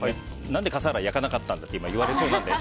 なんで笠原焼かなかったんだと言われそうなので。